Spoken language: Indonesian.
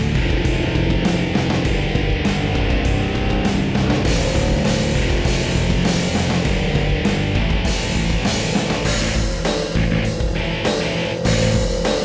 kurang lebih rok mereka enak